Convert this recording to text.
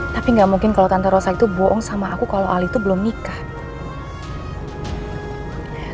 tapi gak mungkin kalau tante rosak itu bohong sama aku kalau ali itu belum nikah